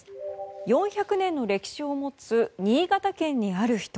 ４００年の歴史を持つ新潟県にある秘湯。